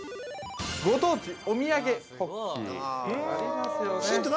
ご当地お土産ポッキー。ありますよね。